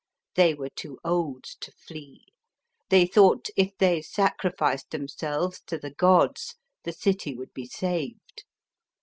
They were too old to flee ; they thought if they sacrificed themselves to the gods, the city would be saved.